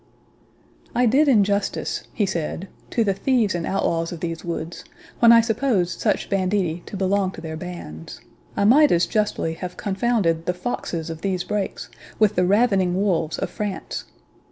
"I did injustice," he said, "to the thieves and outlaws of these woods, when I supposed such banditti to belong to their bands; I might as justly have confounded the foxes of these brakes with the ravening wolves of France.